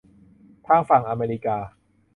ทางฝั่งอเมริกา